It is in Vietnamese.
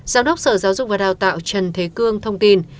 giám đốc sở giáo dục và đào tạo trần thế cương thông tin